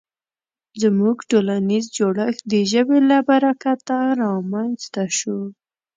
زموږ ټولنیز جوړښت د ژبې له برکته رامنځ ته شو.